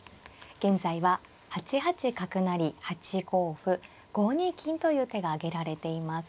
現在は８八角成８五歩５二金という手が挙げられています。